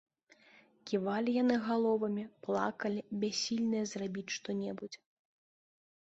Ківалі яны галовамі, плакалі, бяссільныя зрабіць што-небудзь.